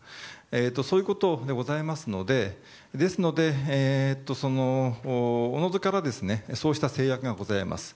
そういうことでございますのでおのずからそうした制約がございます。